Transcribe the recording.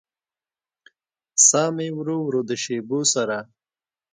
ساه مې ورو ورو د شېبو سره